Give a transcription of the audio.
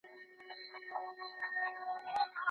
چېري د اقلیمي بدلون تړونونه رامنځته شول؟